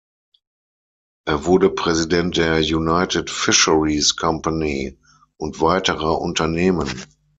Er wurde Präsident der "United Fisheries Company" und weiterer Unternehmen.